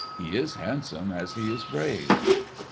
He is handsome as he is brave."